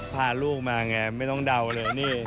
พาลูกมาไงไม่ต้องเดาเลยนี่